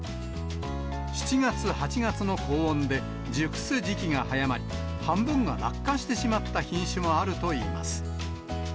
７月、８月の高温で、熟す時期が早まり、半分が落果してしまった品種もあるといいます。